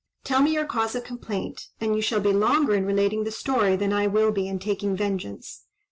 Tell me your cause of complaint, and you shall be longer in relating the story than I will be in taking vengeance.